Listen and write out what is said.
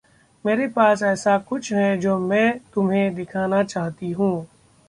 मेरे पास ऐसा कुछ है जो मैं तुम्हें दिखाना चाहती हूँ।